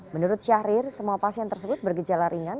menurut syahrir semua pasien tersebut bergejala ringan